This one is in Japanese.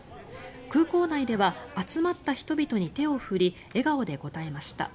空港内では集まった人々に手を振り笑顔で応えました。